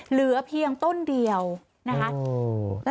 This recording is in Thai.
เหลือเพียงต้นเดียวนะคะ